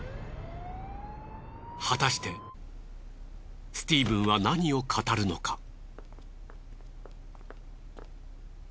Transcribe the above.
果たしてスティーブンは何を語るのか？